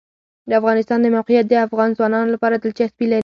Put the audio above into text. د افغانستان د موقعیت د افغان ځوانانو لپاره دلچسپي لري.